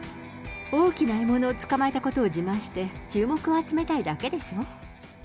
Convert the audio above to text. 大きな獲物を捕まえたことを自慢して、注目を集めたいだけでしょ。